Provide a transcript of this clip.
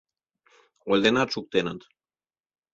Ойленат шуктеныт...